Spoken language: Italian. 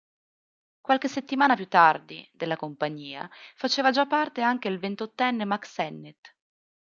Qualche settimana più tardi, della compagnia, faceva già parte anche il ventottenne Mack Sennett.